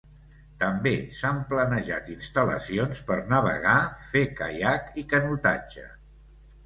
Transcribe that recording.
També s'han planejat instal·lacions per navegar, fer caiac i canotatge.